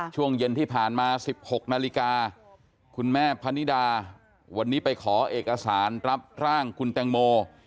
ช่วงเย็นที่ผ่านมา๑๖นาฬิกาคุณแม่พนิดาวันนี้ไปขอเอกสารรับร่างคุณแตงโม